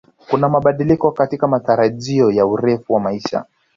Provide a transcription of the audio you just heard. Kuna mabadiliko katika matarajio ya urefu wa maisha